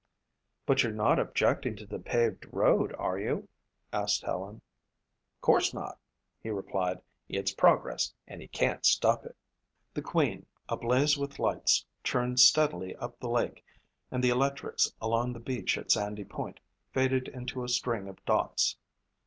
"But you're not objecting to the paved road, are you?" asked Helen. "Course not," he replied. "It's progress and you can't stop it." The Queen, ablaze with lights, churned steadily up the lake and the electrics along the beach at Sandy Point faded into a string of dots.